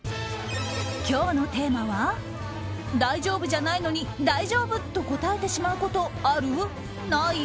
今日のテーマは大丈夫じゃないのに大丈夫！と答えてしまうことある？ない？